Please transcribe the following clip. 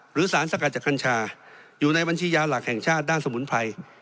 หรือสารสกัดจากกัญชาอยู่ในบัญชียาหลักแห่งชาติด้านสมุนไพร